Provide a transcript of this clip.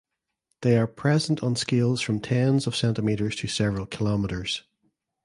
They are present on scales from tens of centimetres to several kilometres.